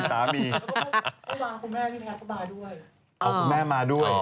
ผู้หวากคนแม่เอาคนแม่มาด้วย